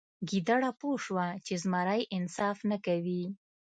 ګیدړه پوه شوه چې زمری انصاف نه کوي.